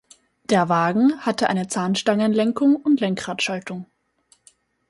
Der Wagen hatte eine Zahnstangenlenkung und Lenkradschaltung.